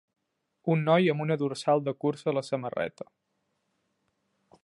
Un noi amb una dorsal de cursa a la samarreta.